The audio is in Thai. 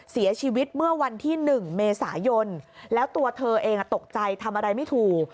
เสียชีวิตเมื่อวันที่๑เมษายนแล้วตัวเธอเองตกใจทำอะไรไม่ถูก